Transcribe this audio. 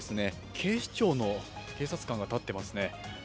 警視庁の警察官が立っていますね。